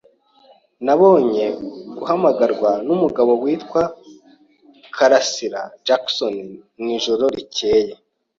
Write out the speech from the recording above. Nabonye guhamagarwa numugabo witwa KarasiraJackson mwijoro ryakeye.